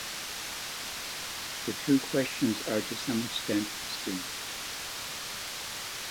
The two questions are to some extent distinct.